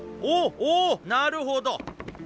おおなるほど！